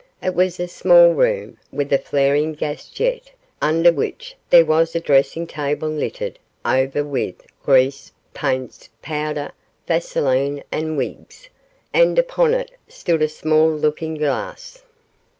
It was a small room, with a flaring gas jet, under which there was a dressing table littered over with grease, paints, powder, vaseline and wigs, and upon it stood a small looking glass.